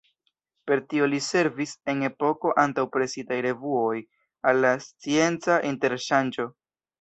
Per tio li servis, en epoko antaŭ presitaj revuoj, al la scienca interŝanĝo.